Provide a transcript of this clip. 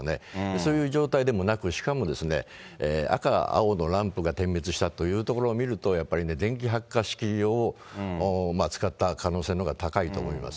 そういう状態でもなく、しかも赤、青のランプが点滅したというところを見ると、やっぱり電気発火式を使った可能性のが高いと思います。